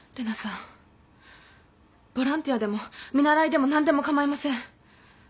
ボランティアでも見習いでも何でも構いません。